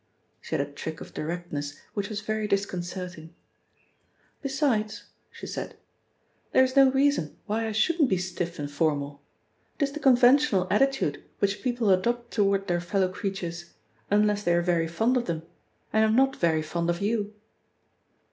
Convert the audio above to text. She had a trick of directness which was very disconcerting. "Besides," she said, "there is no reason why I shouldn't be stiff and formal. It is the conventional attitude which people adopt toward their fellow creatures, unless they are very fond of them, and I'm not very fond of you."